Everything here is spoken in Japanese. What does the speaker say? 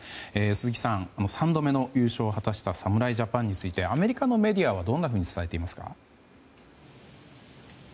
鈴木さん３度目の優勝を果たした侍ジャパンについてアメリカのメディアはどんなふうに伝えていますか？